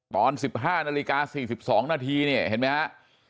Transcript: ตอน๑๕นาฬิกา๔๒นาทีเนี่ยเห็นไหมฮะ